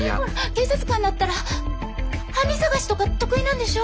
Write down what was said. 警察官だったら犯人捜しとか得意なんでしょ？